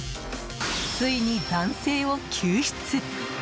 ついに男性を救出。